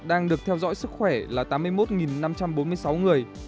đang được theo dõi sức khỏe là tám mươi một năm trăm bốn mươi sáu người